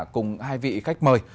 cùng hai vị khách mời